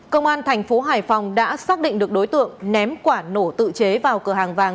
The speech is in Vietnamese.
công an thành phố hải phòng đã xác định được đối tượng ném quả nổ tự chế vào cửa hàng vàng